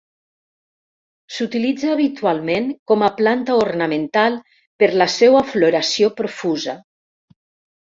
S'utilitza habitualment com a planta ornamental per la seua floració profusa.